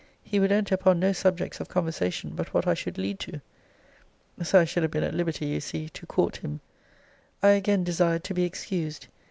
He would enter upon no subjects of conversation but what I should lead to. So I should have been at liberty, you see, to court him! I again desired to be excused.